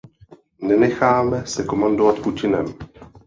Nenecháme se komandovat Putinem.